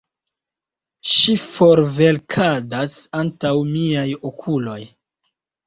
Ŝi forvelkadas antaŭ miaj okuloj.